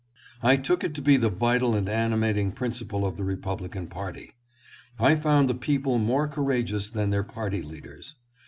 I took it to be the vital and animating principle of the Republican party. I found the people more courageous than their party lead ers.